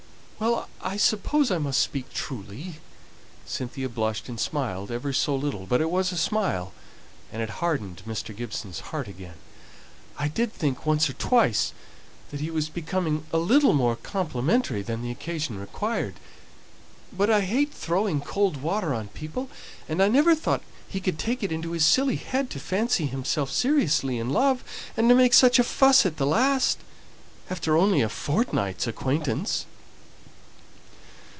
"Well, I suppose I must speak truly." Cynthia blushed and smiled ever so little but it was a smile, and it hardened Mr. Gibson's heart again. "I did think once or twice that he was becoming a little more complimentary than the occasion required; but I hate throwing cold water on people, and I never thought he could take it into his silly head to fancy himself seriously in love, and to make such a fuss at the last, after only a fortnight's acquaintance."